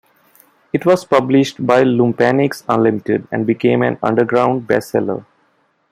It was published by Loompanics Unlimited and became an underground bestseller.